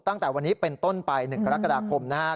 ตั้งแต่วันนี้เป็นต้นไป๑กรกฎาคมนะครับ